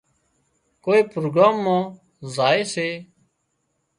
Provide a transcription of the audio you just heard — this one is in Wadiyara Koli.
ڪوئي پروگرام مان زائي سي